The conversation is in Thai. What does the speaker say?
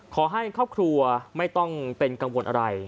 ขอให้ครอบครัวไม่ต้องเป็นกังวลอะไร